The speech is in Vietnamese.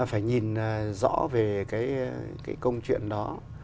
phải nhìn rõ về cái công chuyện đó